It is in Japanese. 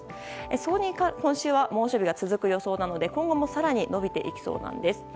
それに今週は猛暑日が続く予想なので今後も更に伸びていきそうなんです。